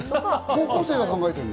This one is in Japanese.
高校生が考えているの？